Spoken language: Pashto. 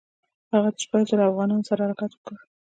هغه د شپږو زرو اوغانانو سره حرکت وکړ.